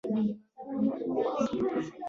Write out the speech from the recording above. ایټالوي پوځیان مات کړل.